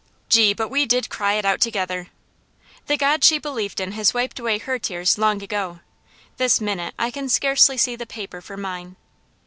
Gee, but we did cry it out together! The God she believed in has wiped away her tears long ago; this minute I can scarcely see the paper for mine.